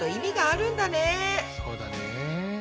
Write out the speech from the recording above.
そうだね。